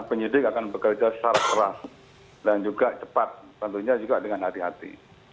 penyidik akan bekerja secara keras dan juga cepat tentunya juga dengan hati hati